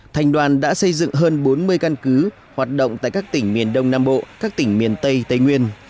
thành đoàn đã xây dựng hơn bốn mươi căn cứ hoạt động tại các tỉnh miền đông nam bộ các tỉnh miền tây tây nguyên